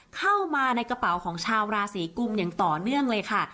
เข้ามาในกระเป๋าของชาวราศีกุมอย่างต่อเนื่องเลยค่ะ